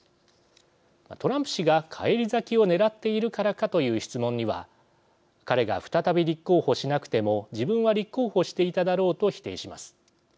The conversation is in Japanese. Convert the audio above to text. トランプ氏が返り咲きをねらっているからかという質問には彼が再び立候補しなくても自分は立候補していただろうと否定します。